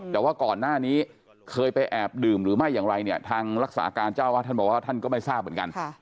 แต่ว่าก่อนหน้านี้เคยไปแอบดื่มหรือไม่อย่างไรเนี่ยทางรักษาการเจ้าวาดท่านบอกว่าท่านก็ไม่ทราบเหมือนกัน